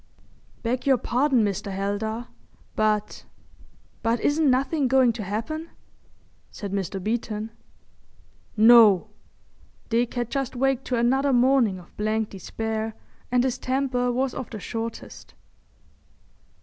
"Beg your pardon, Mr. Heldar, but—but isn't nothin' going to happen?" said Mr. Beeton. "No!" Dick had just waked to another morning of blank despair and his temper was of the shortest.